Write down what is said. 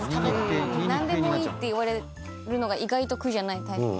何でもいいって言われるのが意外と苦じゃないタイプ。